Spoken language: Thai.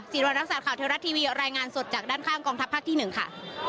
สิรวรรณักศาสตร์ข่าวเทวรัตน์ทีวีรายงานสดจากด้านข้างกองทัพภาคที่หนึ่งค่ะ